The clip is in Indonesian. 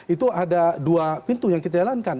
itu ada dua pintu yang kita jalankan